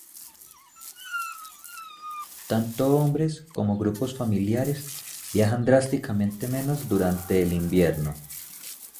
Tanto hombres como grupos familiares viajan drásticamente menos durante el invierno.